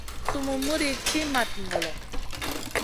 Sumun muɗi ci mat ŋolo.